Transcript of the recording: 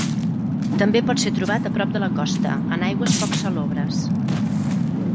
També pot ser trobat a prop de la costa en aigües poc salobres.